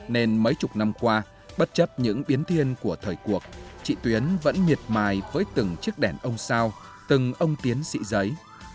nên mấy chục năm qua bất chấp những biến thiên của thời cuộc chị tuyến vẫn miệt mài với từng chiếc đèn ông sao từng ông tiến sĩ giấy